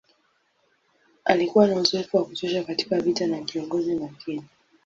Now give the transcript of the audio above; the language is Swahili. Alikuwa na uzoefu wa kutosha katika vita na kiongozi makini.